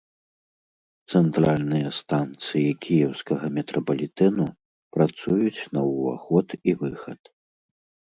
Цэнтральныя станцыі кіеўскага метрапалітэну працуюць на ўваход і выхад.